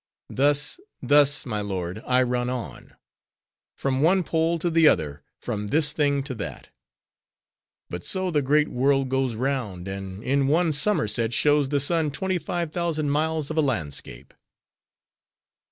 Thus, thus, my lord, I run on; from one pole to the other; from this thing to that. But so the great world goes round, and in one Somerset, shows the sun twenty five thousand miles of a landscape!"